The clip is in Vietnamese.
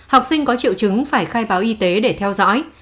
học sinh có triệu chứng phải khai báo y tế để theo dõi